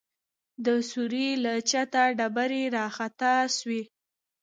د سوړې له چته ډبرې راخطا سوې.